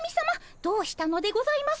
どうしたのでございますか？